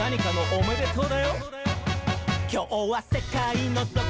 「おめでとう」